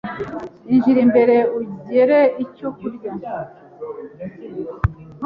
Injira imbere ugire icyo kurya.